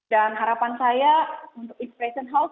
dan harapan saya untuk inspiration house